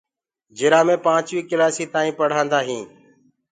جِرا مي پانچوين ڪلاسي تائينٚ پڙهاندآ هينٚ